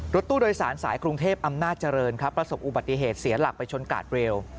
รถตู้โดยสารสายกรุงเทพอำนาจเจริญครับประสบอุบัติเหตุเสียหลักไปชนกาดเร็ว